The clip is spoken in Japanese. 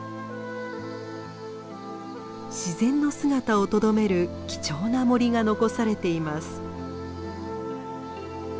自然の姿をとどめる貴重な森が残されています。